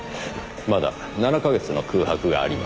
まだ７か月の空白があります。